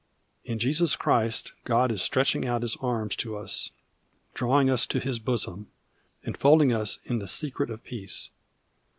In Jesus Christ God is stretching out His arms to us, drawing us to His bosom, enfolding us in the secret of peace.